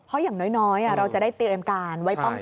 เพราะอย่างน้อยเราจะได้เตรียมการไว้ป้องกัน